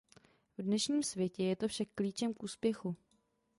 V dnešním světě je to však klíčem k úspěchu.